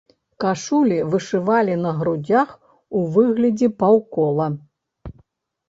Кашулі вышывалі на грудзях у выглядзе паўкола.